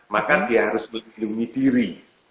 maka dia harus melindungi diri